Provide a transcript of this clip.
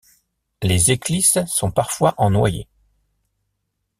Les éclisses sont parfois en noyer.